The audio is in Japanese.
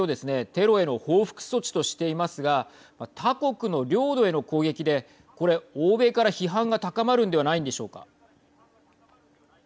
テロへの報復措置としていますが他国の領土への攻撃でこれ、欧米から批判が高まるんではないんでしょうか。